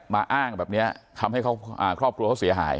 มาอ้างแบบเนี้ยทำให้เขาอ่าครอบครัวเขาเสียหาย